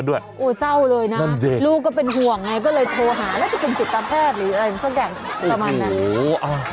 โอ้โฮเศร้าเลยนะลูกก็เป็นห่วงไงก็เลยโทรหาแล้วไปกินกิจตาแพทย์หรืออะไรสักอย่าง